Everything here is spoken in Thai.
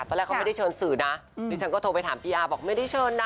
ตอนแรกเขาไม่ได้เชิญสื่อนะดิฉันก็โทรไปถามพี่อาบอกไม่ได้เชิญนะ